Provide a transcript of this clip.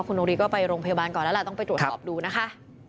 คุณโนรีก็ไปโรงพยาบาลก่อนแล้วล่ะต้องไปตรวจสอบดูนะคะ